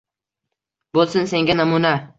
Bo’lsin senga namuna…»